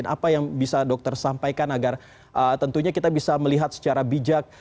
apa yang bisa dokter sampaikan agar tentunya kita bisa melihat secara bijak